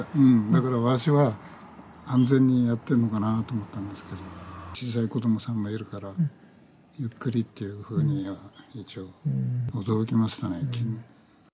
だからわしは、安全にやってるのかなと思ったんですけど、小さい子どもさんがいるから、ゆっくりっていうふうには一応、驚きましたね。